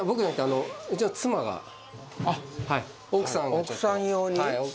奥さん用に。